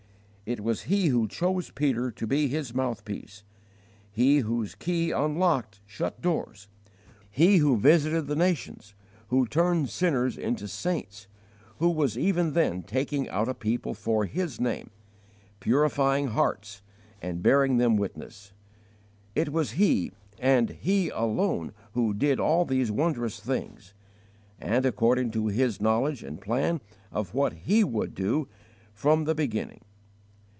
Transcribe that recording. It was He who chose Peter to be His mouthpiece, He whose key unlocked shut doors, He who visited the nations, who turned sinners into saints, who was even then taking out a people for His name, purifying hearts and bearing them witness; it was He and He alone who did all these wondrous things, and according to His knowledge and plan of what He would do, from the beginning.